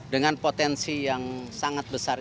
dengan potensi yang sangat besar